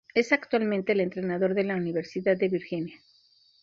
Es actualmente el entrenador de la Universidad de Virginia.